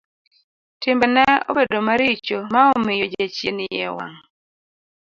Timbe ne obedo maricho ma omiyo jachien iye owang'.